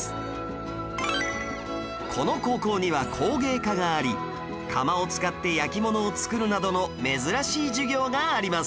この高校には工芸科があり窯を使って焼き物を作るなどの珍しい授業があります